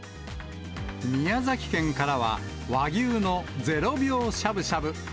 宮崎県からは、和牛の０秒しゃぶしゃぶ。